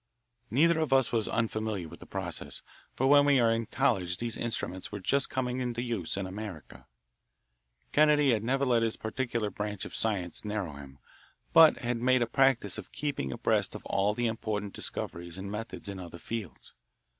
Neither of us was unfamiliar with the process, for when we were in college these instruments were just coming into use in America. Kennedy had never let his particular branch of science narrow him, but had made a practice of keeping abreast of all the important discoveries and methods in other fields.